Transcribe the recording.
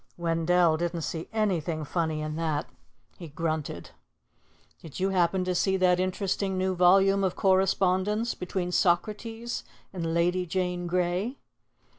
Wendell didn't see anything funny in that. He grunted. "Did you happen to see that interesting new volume of correspondence between Socrates and Lady Jane Grey?"